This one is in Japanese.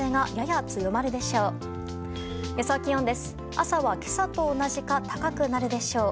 朝は今朝と同じか高くなるでしょう。